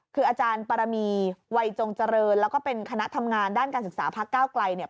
คืออาจารย์ปรมีวัยจงเจริญแล้วก็เป็นคณะทำงานด้านการศึกษาพักก้าวไกลเนี่ย